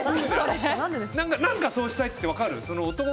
何かそうしたいって分かる？